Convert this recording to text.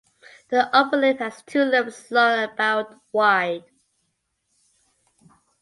The upper lip has two lobes long and about wide.